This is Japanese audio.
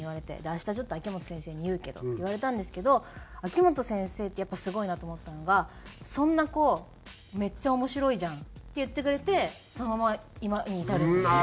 「明日ちょっと秋元先生に言うけど」って言われたんですけど秋元先生ってやっぱりすごいなと思ったのが「そんな子めっちゃ面白いじゃん」って言ってくれてそのまま今に至るんですよ。